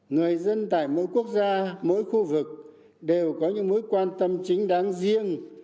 người dân tại mỗi quốc gia mỗi khu vực đều có những mối quan tâm chính đáng riêng